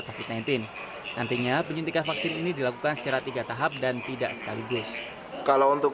covid sembilan belas nantinya penyuntikan vaksin ini dilakukan secara tiga tahap dan tidak sekaligus kalau untuk